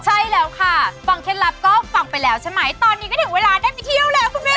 ใช่แล้วค่ะฟังเคล็ดลับก็ฟังไปแล้วใช่ไหมตอนนี้ก็ถึงเวลาได้ไปเที่ยวแล้วคุณแม่